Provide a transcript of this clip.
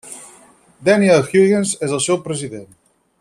Daniel Huygens és el seu president.